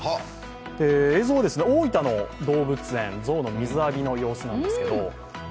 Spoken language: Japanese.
映像は大分の動物園、ゾウの水浴びの様子なんですが。